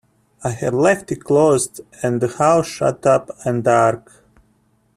I had left it closed and the house shut up and dark.